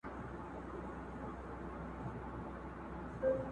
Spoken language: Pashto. سر له کتابه کړه راپورته٫